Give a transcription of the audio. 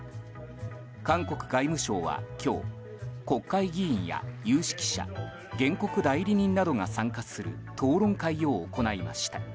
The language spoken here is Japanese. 韓国外務省は今日、国会議員や有識者原告代理人などが参加する討論会を行いました。